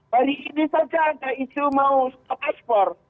hari ini saja ada isu mau ekspor